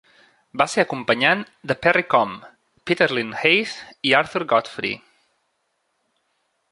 Va ser acompanyant de Perry Com, Peter Lind Hayes i Arthur Godfrey.